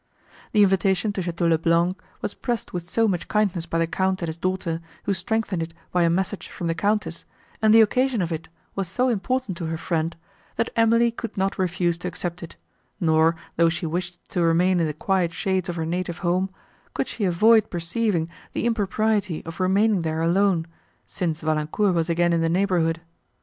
The invitation to Château le Blanc was pressed with so much kindness by the Count and his daughter, who strengthened it by a message from the Countess, and the occasion of it was so important to her friend, that Emily could not refuse to accept it, nor, though she wished to remain in the quiet shades of her native home, could she avoid perceiving the impropriety of remaining there alone, since Valancourt was again in the neighbourhood.